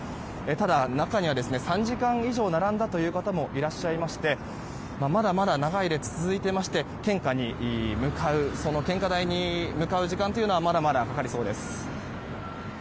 ただ、中には３時間以上並んだという方もいらっしゃいましてまだまだ長い列が続いていまして献花台に向かう時間というのはまだまだかかりそうです。